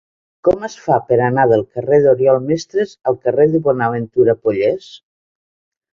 Com es fa per anar del carrer d'Oriol Mestres al carrer de Bonaventura Pollés?